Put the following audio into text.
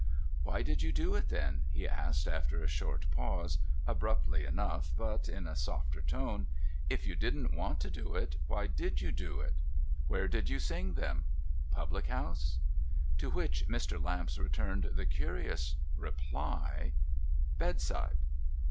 'Why did you do it, then?' he asked after a short pause; abruptly enough, but in a softer tone. ' If you didn't want to do it, why did you do it ? Where did you sing them ? Public house ?' To which Mr. Lamps returned the curious reply :' Bedside.'